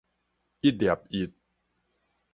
一粒一